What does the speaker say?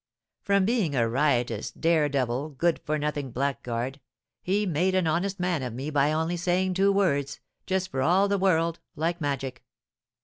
From being a riotous, dare devil, good for nothing blackguard, he made an honest man of me by only saying two words, just for all the world like magic."